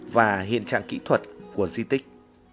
và hiện trạng kỹ thuật của di tích